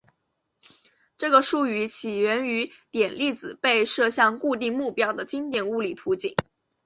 这个术语起源于点粒子被射向固体目标的经典物理图景。